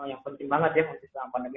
yang penting banget ya masih selama pandemi